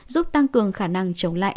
giúp tăng cường khả năng chống lại